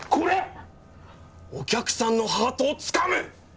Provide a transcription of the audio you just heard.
お客さんのハートをつかむ！